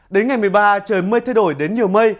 đến ngày một mươi ba trời mây thay đổi đến nhiều mây